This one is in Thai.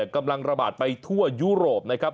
กำลังระบาดไปทั่วยุโรปนะครับ